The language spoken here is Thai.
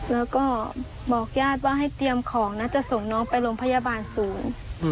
แล้วก็บอกญาติว่าให้เตรียมของนะจะส่งน้องไปโรงพยาบาลศูนย์